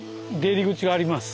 入り口があります。